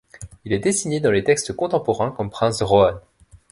Il est désigné dans les textes contemporains comme prince de Rohan.